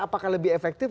apakah lebih efektif